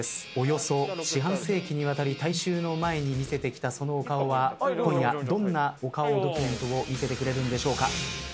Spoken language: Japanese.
およそ四半世紀にわたり大衆の前に見せてきたそのお顔は今夜どんなお顔ドキュメントを見せてくれるんでしょうか。